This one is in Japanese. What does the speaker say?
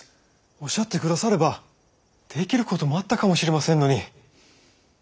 おっしゃって下さればできることもあったかもしれませんのに。